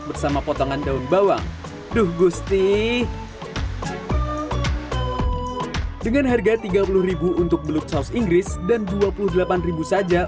bersama potongan daun bawang duh gusti dengan harga tiga puluh untuk beluk saus inggris dan dua puluh delapan saja